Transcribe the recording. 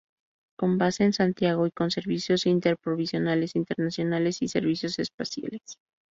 Con base en Santiago y con servicios interprovinciales, internacionales y servicios especiales.